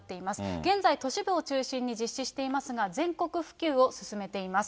現在、都市部を中心に実施していますが、全国普及を進めています。